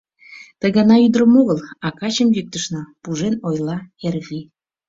— Ты гана ӱдырым огыл, а качым йӱктышна, — пужен ойла Эрвий.